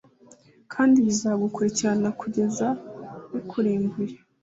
kandi bizagukurikirana kugeza bikurimbuye.